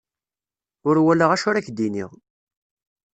Ur walaɣ acu ar ak-d-iniɣ.